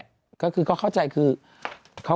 นั่นแหละก็คือเขาเข้าใจคือก็